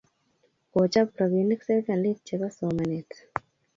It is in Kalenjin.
Kochap rapinik serkalit chepo somanet